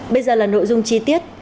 bây giờ là nội dung chi tiết